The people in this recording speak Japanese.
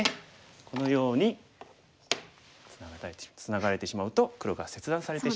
このようにツナがれてしまうと黒が切断されてしまう。